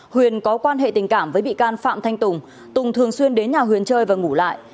huyền có quan hệ tình cảm với bị can phạm thanh tùng tùng thường xuyên đến nhà huyền chơi và ngủ lại